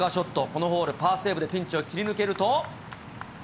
このホール、パーセーブで切り抜けると。